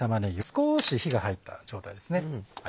少し火が入った状態ですね。